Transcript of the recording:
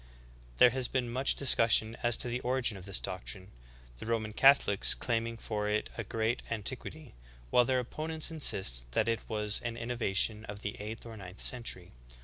There has been much discussion as to the origin of this doctrine/ the Roman Catholics claiming for it a great antiquity, while their opponents insist that it was an innova tion of the eighth or ninth century.